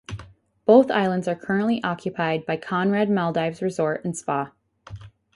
Both islands are currently occupied by Conrad Maldives Resort and Spa.